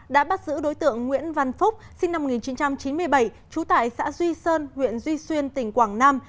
đã bắt giữ đối tượng nguyễn văn phúc sinh năm một nghìn chín trăm chín mươi bảy trú tại xã duy sơn huyện duy xuyên tỉnh quảng nam